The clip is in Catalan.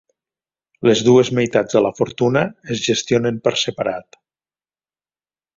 Les dues meitats de la fortuna es gestionen per separat.